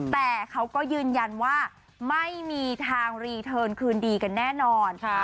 แต่เขาก็ยืนยันว่าไม่มีทางรีเทิร์นคืนดีกันแน่นอน